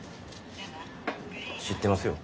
知ってますよ。